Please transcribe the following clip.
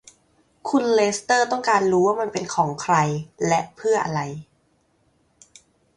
คุณเลสเตอร์ต้องการรู้ว่ามันเป็นของใครและเพื่ออะไร